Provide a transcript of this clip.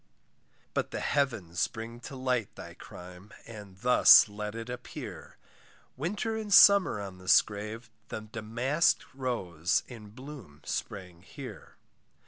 But the heavens bring to light Thy crime, and thus let it appear, Winter and summer on this grave, The damask rose in bloom spring here.